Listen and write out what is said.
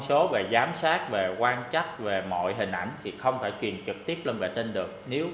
số về giám sát về quan chắc về mọi hình ảnh thì không phải truyền trực tiếp lên vệ tinh được nếu